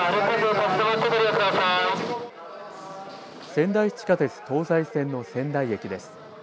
仙台市地下鉄東西線の仙台駅です。